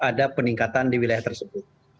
ada peningkatan di wilayah tersebut